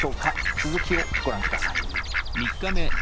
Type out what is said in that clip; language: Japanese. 続きをご覧下さい。